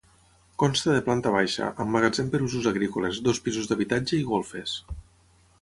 Consta de planta baixa, amb magatzem per usos agrícoles, dos pisos d'habitatge i golfes.